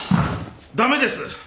駄目です！